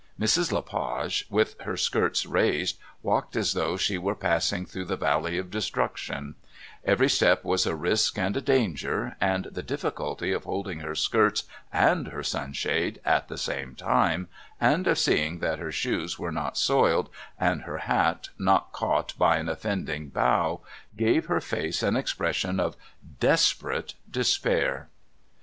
Mrs. Le Page, with her skirts raised, walked as though she were passing through the Valley of Destruction; every step was a risk and a danger, and the difficulty of holding her skirts and her sunshade at the same time, and of seeing that her shoes were not soiled and her hat not caught by an offending bough gave her face an expression of desperate despair.